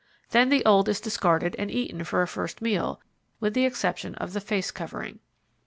Then the old is discarded and eaten for a first meal, with the exception of the face covering.